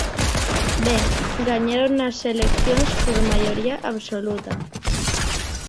Ben, gañaron as eleccións por maioría absoluta.